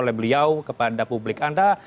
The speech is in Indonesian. oleh beliau kepada publik anda